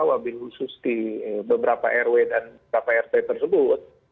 wabil khusus di beberapa rw dan beberapa rt tersebut